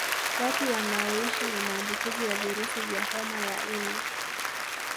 Watu wanaoishi na maambukizi ya virusi vya homa ya ini